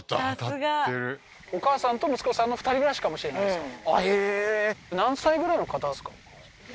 さすがお母さんと息子さんの２人暮らしかもしれないですか？